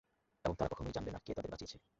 এবং তারা কখনই জানবে না কে তাদের বাঁচিয়েছে।